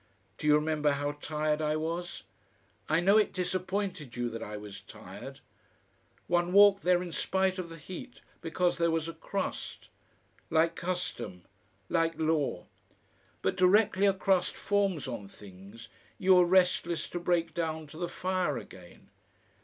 Do you remember how tired I was? I know it disappointed you that I was tired. One walked there in spite of the heat because there was a crust; like custom, like law. But directly a crust forms on things, you are restless to break down to the fire again.